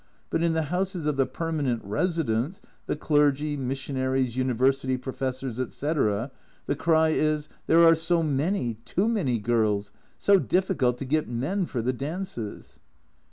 But in the houses of the permanent residents, the clergy, missionaries, University professors, etc., the cry is, "There are so many, too many, girls, so difficult to get men for the dances."